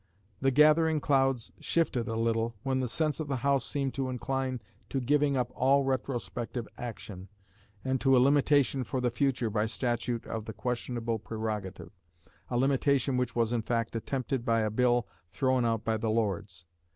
The gathering clouds shifted a little, when the sense of the House seemed to incline to giving up all retrospective action, and to a limitation for the future by statute of the questionable prerogative a limitation which was in fact attempted by a bill thrown out by the Lords.